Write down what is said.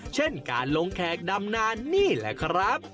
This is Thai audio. เช่นการลงแขกดำนานนี่แหละครับ